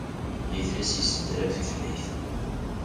Idles yessedram tutlayt.